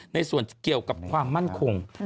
ในส่วนเกี่ยวกับความมั่นคง